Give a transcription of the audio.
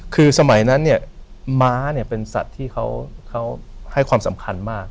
คือสมัยนั้นเนี่ยม้าเนี่ยเป็นสัตว์ที่เขาให้ความสำคัญมาก